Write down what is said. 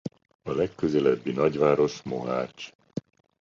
A legközelebbi nagyváros Mohács.